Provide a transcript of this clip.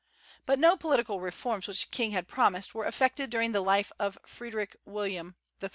But no political reforms which the king had promised were effected during the life of Frederick William III.